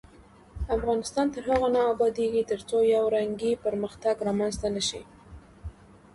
افغانستان تر هغو نه ابادیږي، ترڅو یو رنګی پرمختګ رامنځته نشي.